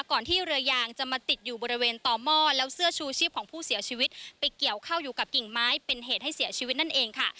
ที่เรือยางจะมาติดอยู่บริเวณต่อหม้อแล้วเสื้อชูชีพของผู้เสียชีวิตไปเกี่ยวเข้าอยู่กับกิ่งไม้เป็นเหตุให้เสียชีวิตนั่นเองค่ะ